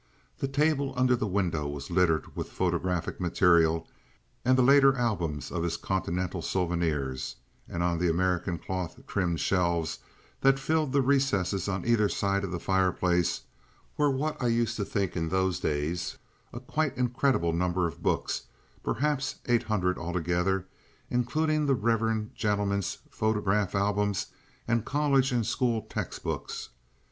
The table under the window was littered with photographic material and the later albums of his continental souvenirs, and on the American cloth trimmed shelves that filled the recesses on either side of the fireplace were what I used to think in those days a quite incredible number of books—perhaps eight hundred altogether, including the reverend gentleman's photograph albums and college and school text books.